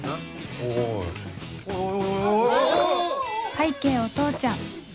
拝啓お父ちゃん